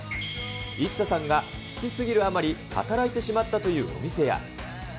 イッサさんが好き過ぎるあまり、働いてしまったというお店や。